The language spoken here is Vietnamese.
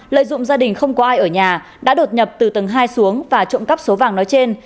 lợi dụng gia đình không có ai ở nhà đã đột nhập từ tầng hai xuống và trộm cắp số vàng nói trên